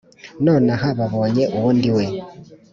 nonaha babonye uwo ndiwe,